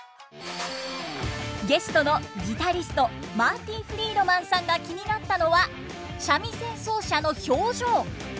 ゲストのギタリストマーティ・フリードマンさんが気になったのは三味線奏者の表情。